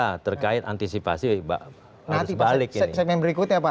cara terkait antisipasi harus balik ini